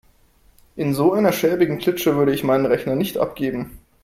In so einer schäbigen Klitsche würde ich meinen Rechner nicht abgeben.